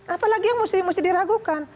apalagi yang mesti diragukan